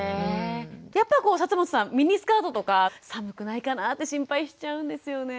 やっぱり本さんミニスカートとか寒くないかなって心配しちゃうんですよね。